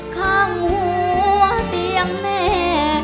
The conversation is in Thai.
ข้างหัวเตียงแม่